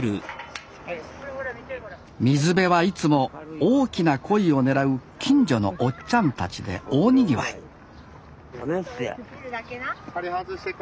水辺はいつも大きなコイを狙う近所のおっちゃんたちで大にぎわい離してや。